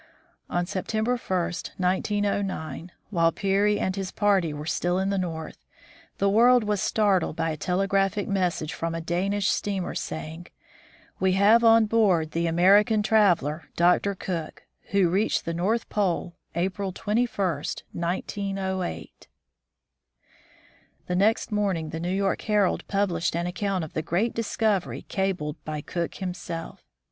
On September 1, 1909, while Peary and his party were still in the north, the world was startled by a telegraphic message from a Danish steamer, saying: "We have on board the American traveler, Dr. Cook, who reached the North Pole, April 21, 1908." The next morning the New York Herald published an account of the great discovery cabled by Cook himself.